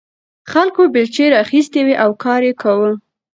خلکو بیلچې راخیستې وې او کار یې کاوه.